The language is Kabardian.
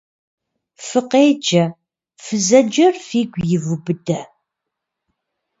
Фыкъеджэ, фызэджэр фигу ивубыдэ!